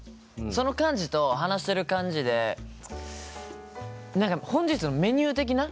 その感じと話してる感じで何か本日のメニュー的な？